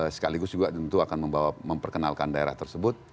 sekaligus juga tentu akan membawa memperkenalkan daerah tersebut